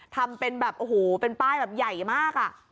ทำเป็นแบบโอ้โหเป็นป้ายแบบใหญ่มากอ่ะ